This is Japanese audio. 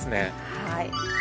はい！